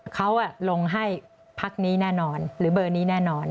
เขาลงให้พักนี้แน่นอนหรือเบอร์นี้แน่นอน